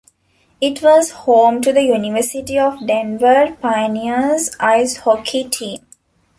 It was home to the University of Denver Pioneers ice hockey team.